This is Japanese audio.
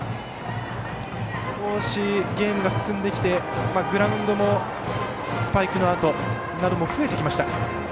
少しゲームが進んできてグラウンドもスパイクのあとなども増えてきました。